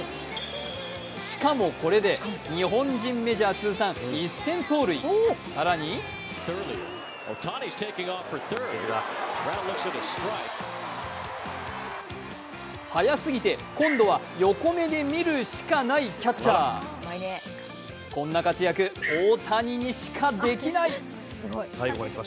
シカもこれで日本人メジャー通算１０００盗塁、更に速すぎて今度は横目で見るシカない、キャッチャーこんな活躍、大谷にシカできない。